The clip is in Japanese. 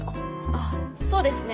ああそうですね。